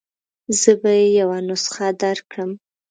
زه به يې یوه نسخه درکړم.